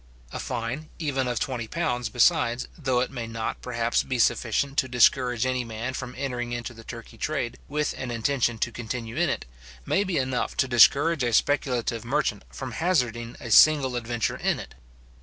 A fine, even of twenty pounds, besides, though it may not, perhaps, be sufficient to discourage any man from entering into the Turkey trade, with an intention to continue in it, may be enough to discourage a speculative merchant from hazarding a single adventure in it.